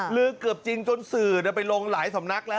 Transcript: ลือเกือบจริงจนสื่อไปลงหลายสำนักแล้ว